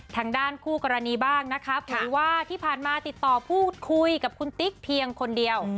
ทางด้านคู่กรณีบ้างนะคะเผยว่าที่ผ่านมาติดต่อพูดคุยกับคุณติ๊กเพียงคนเดียว